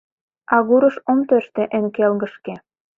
Агурыш ом тӧрштӧ эн келгышке